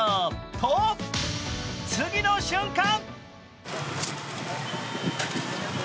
と次の瞬間。